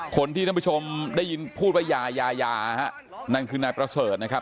ท่านผู้ชมได้ยินพูดว่ายายาฮะนั่นคือนายประเสริฐนะครับ